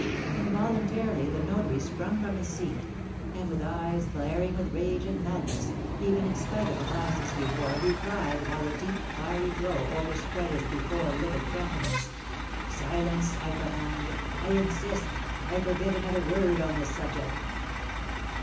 Involuntarily the notary sprung from his seat, and with eyes glaring with rage and madness, even in spite of the glasses he wore, he cried, while a deep, fiery glow overspread his before livid countenance: "Silence! I command! I insist! I forbid another word on this subject!"